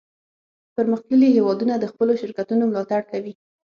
پرمختللي هیوادونه د خپلو شرکتونو ملاتړ کوي